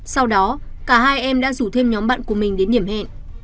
sau đó cả hai em đã rủ thêm nhóm bạn của mình đến điểm hẹn